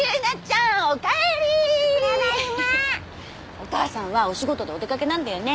お母さんはお仕事でお出かけなんだよね